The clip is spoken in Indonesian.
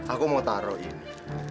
aku mau taruh ini